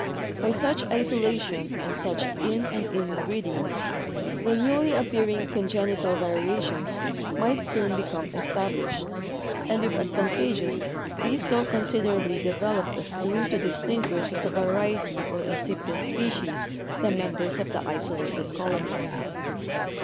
By such isolation and such in and in breeding the newly appearing congenital variations might soon become established, and if advantageous be so considerably developed as soon to distinguish as a variety or incipient species the members of the isolated colony.